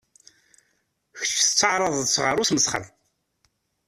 Kečč tettaraḍ-tt ɣer usmesxer.